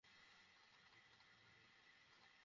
এমনকি বেতনও পাইনি।